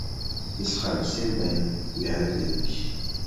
— Biz ham sendayin uyalib edik.